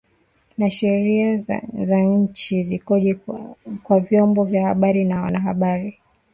na sheria za nchi zikoje kwa vyombo vya habari na wanahabari